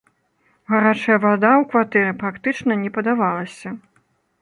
Гарачая вада ў кватэры практычна не падавалася.